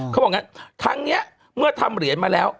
เขาบอกงั้นทั้งนี้เมื่อทำเหรียญมาแล้ว